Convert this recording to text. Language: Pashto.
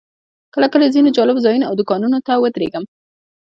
کله کله ځینو جالبو ځایونو او دوکانونو ته ودرېږم.